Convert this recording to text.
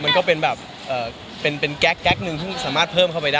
มันก็เป็นแบบเป็นแก๊กหนึ่งที่สามารถเพิ่มเข้าไปได้